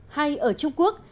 hay ở trung quốc